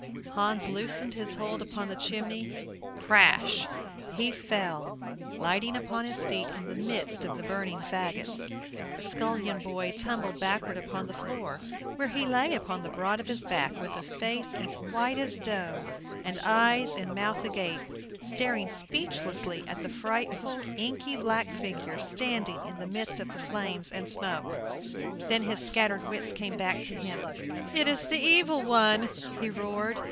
Hans loosened his hold upon the chimney; crash! he fell, lighting upon his feet in the midst of the burning fagots. The scullion boy tumbled backward upon the floor, where he lay upon the broad of his back with a face as white as dough and eyes and mouth agape, staring speechlessly at the frightful inky black figure standing in the midst of the flames and smoke. Then his scattered wits came back to him. "It is the evil one," he roared.